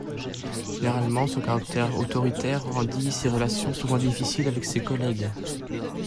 Généralement, son caractère autoritaire rendit ses relations souvent difficiles avec ses collègues.